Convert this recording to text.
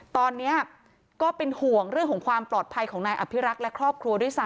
ตอนนี้ก็เป็นห่วงเรื่องของความปลอดภัยของนายอภิรักษ์และครอบครัวด้วยซ้